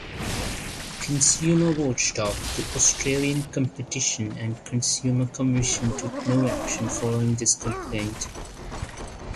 Consumer watchdog the Australian Competition and Consumer Commission took no action following this complaint.